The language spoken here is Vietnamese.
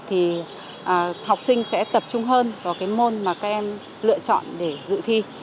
thì học sinh sẽ tập trung hơn vào cái môn mà các em lựa chọn để dự thi